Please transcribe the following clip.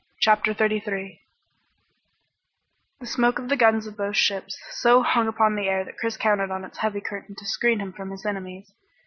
CHAPTER 33 The smoke of the guns of both ships so hung upon the air that Chris counted on its heavy curtain to screen him from his enemies.